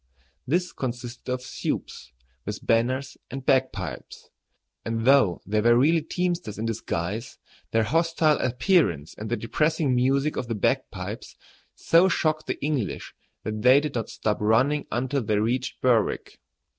This consisted of "supes," with banners and bagpipes; and though they were really teamsters in disguise, their hostile appearance and the depressing music of the bagpipes so shocked the English that they did not stop running until they reached Berwick.